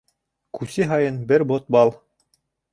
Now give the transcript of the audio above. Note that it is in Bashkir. Күсе һайын бер бот бал.